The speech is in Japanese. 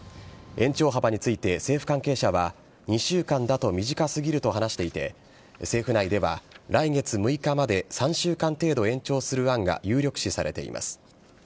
延長幅について政府関係者は、２週間だと短すぎると話していて、政府内では来月６日まで３週間程度延長する案が有力視されています。